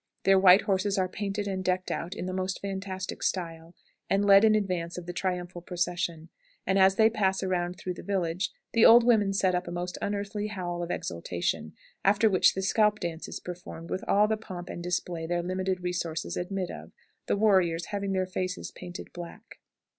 Their white horses are painted and decked out in the most fantastic style, and led in advance of the triumphal procession; and, as they pass around through the village, the old women set up a most unearthly howl of exultation, after which the scalp dance is performed with all the pomp and display their limited resources admit of, the warriors having their faces painted black.